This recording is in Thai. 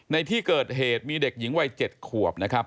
ในที่เกิดเหตุมีเด็กหญิงวัย๗ขวบนะครับ